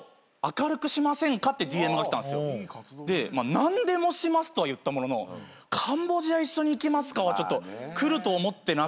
何でもしますとは言ったもののカンボジア一緒に行きますかはちょっと来ると思ってなくて。